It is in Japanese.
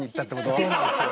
そうなんですよ。